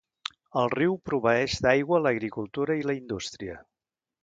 El riu proveeix d'aigua l'agricultura i la indústria.